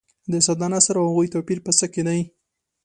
د ساده نثر او هغوي توپیر په څه کې دي.